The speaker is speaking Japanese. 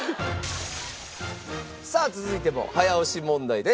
さあ続いても早押し問題です。